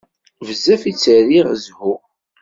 Bezzaf i tt-rriɣ zzhu.